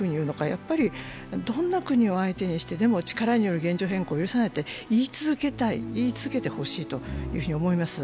やはりどんな国を相手にしてでも、力による現状変更を許さないって言い続けたい言い続けてほしいと思います。